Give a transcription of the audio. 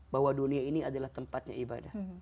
bahwa dunia ini adalah tempatnya ibadah